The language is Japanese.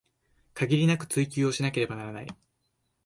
限りなく追求しなければならない